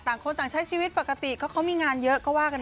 ต่างคนต่างใช้ชีวิตปกติก็เขามีงานเยอะก็ว่ากัน